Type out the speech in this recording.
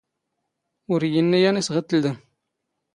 ⵓⵔ ⵉⵢⵉ ⵉⵏⵏⵉ ⵢⴰⵏ ⵉⵙ ⵖⵉⴷ ⵜⵍⵍⴰⵎ.